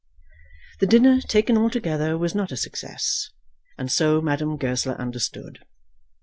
The dinner, taken altogether, was not a success, and so Madame Goesler understood.